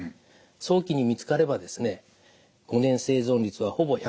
早期に見つかればですね５年生存率はほぼ１００％です。